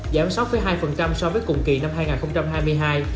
giảm sáu hai so với cùng kỳ năm hai nghìn hai mươi hai